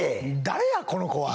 誰や、この子は。